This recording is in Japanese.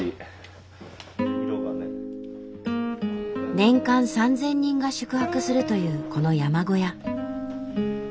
年間３，０００人が宿泊するというこの山小屋。